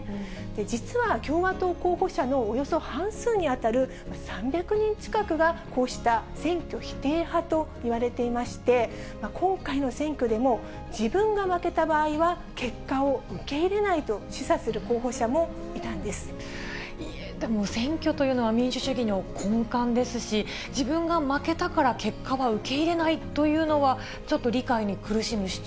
実は共和党候補者のおよそ半数に当たる３００人近くが、こうした選挙否定派といわれていまして、今回の選挙でも、自分が負けた場合は結果を受け入れないと示唆する候補者もいたんでも選挙というのは、民主主義の根幹ですし、自分が負けたから結果は受け入れないというのは、そうですよね。